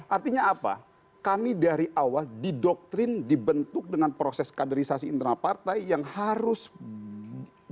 artinya apa kami dari awal didoktrin dibentuk dengan proses kaderisasi internal partai yang harus berkiblat pada konseptual ide gagasan dan apa yang harus kita lakukan